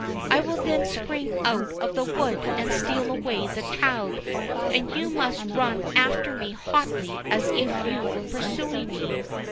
I will then spring out of the wood and steal away the child, and you must run after me hotly as if you were pursuing me.